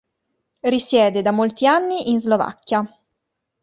Risiede da molti anni in Slovacchia.